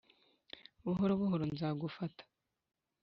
buhoro buhoro nzagufata